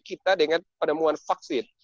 kita dengan penemuan vaksin